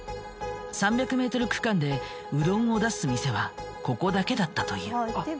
３００ｍ区間でうどんを出す店はここだけだったという。